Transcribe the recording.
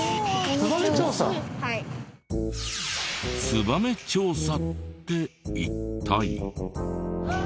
ツバメ調査って一体？